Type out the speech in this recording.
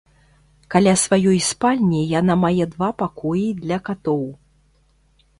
Каля сваёй спальні яна мае два пакоі для катоў.